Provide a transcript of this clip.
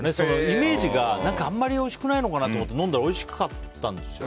イメージが、あんまりおいしくないのかなと思って飲んだら、おいしかったんですよ。